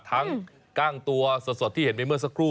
ทั้งกล้างตัวส่วนสดที่เห็นไปเมื่อสักครู่